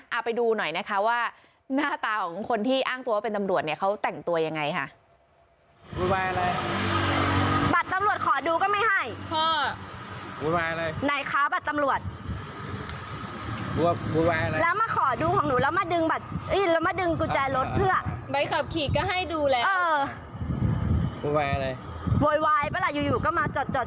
เอาไปดูหน่อยนะคะว่าหน้าตาของคนที่อ้างตัวว่าเป็นตำรวจเนี่ยเขาแต่งตัวยังไงค่ะ